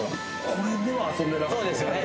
これでは遊んでなかったそうですよね